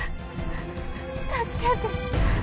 助けて。